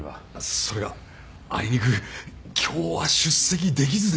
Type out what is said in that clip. それがあいにく今日は出席できずでして。